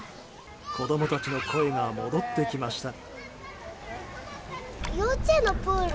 子供たちの声が戻ってきました。